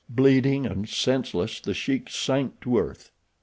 Bleeding and senseless The Sheik sank to earth.